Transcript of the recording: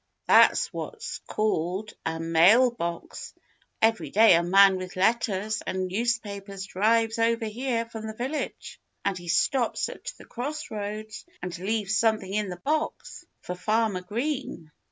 That's what's called a mail box. Every day a man with letters and newspapers drives over here from the village. And he stops at the cross roads and leaves something in the box for Farmer Green."